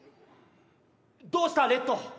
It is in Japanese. どうしたレッド。